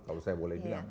kalau saya boleh bilang